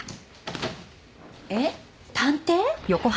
えっ探偵？